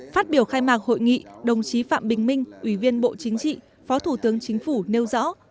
phát biểu khai mạc hội nghị đồng chí phạm bình minh ủy viên bộ chính trị phó thủ tướng chính phủ nêu rõ